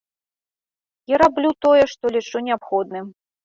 І раблю тое, што лічу неабходным.